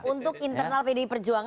untuk internal pd perjuangan